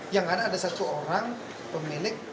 yang ada ada satu orang pemilik